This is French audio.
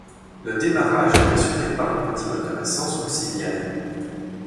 Le démarrage est assuré par un petit moteur essence auxiliaire.